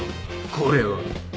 これは。